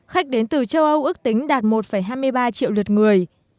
khách đến từ châu âu ước tính đạt một hai mươi ba triệu lượt người